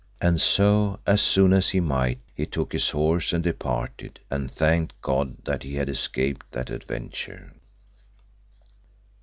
And so, as soon as he might, he took his horse and departed, and thanked God that he had escaped that adventure.